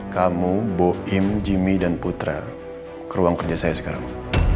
kamu bo im jimmy dan putra ke ruang kerja saya sekarang